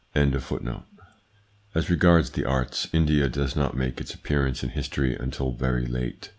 1 As regards the arts, India does not make its appearance in history until very late.